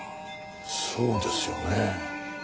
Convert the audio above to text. そうですよね。